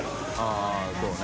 ◆舛そうね。